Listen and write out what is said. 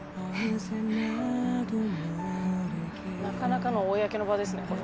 なかなかの公の場ですね